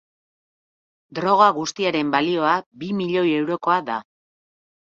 Droga guztiaren balioa bi milioi eurokoa da.